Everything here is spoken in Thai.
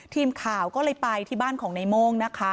ทีมข่าวก็เลยไปที่บ้านของในโม่งนะคะ